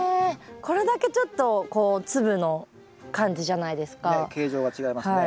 これだけちょっとこう粒の感じじゃないですか？ね？